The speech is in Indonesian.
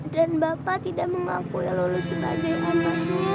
dan bapak tidak mengakui lulu sebagai anaknya